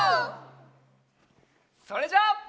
それじゃあ。